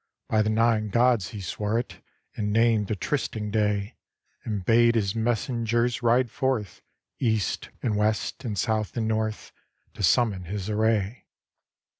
By the Nine Gods he sw^ore it, And named a trysting day, And bade his messengers ride forth East and west and south and north, To summon his array.